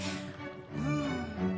うん。